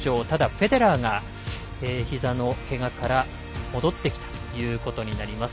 フェデラーが、ひざのけがから戻ってきたということになります。